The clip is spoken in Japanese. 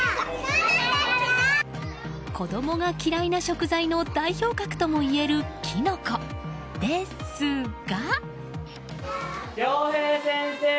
子供が嫌いな食材の代表格ともいえるキノコですが。